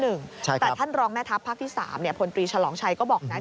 แต่ท่านรองแม่ทัพภาคที่๓พลตรีฉลองชัยก็บอกนะ